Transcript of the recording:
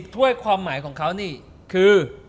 ถ้วยความหมายของเขานี่คือ